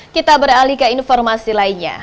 kita beralih ke informasi lainnya